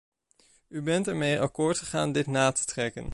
U bent ermee akkoord gegaan dit na te trekken.